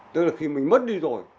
tức là khi mình mất đi rồi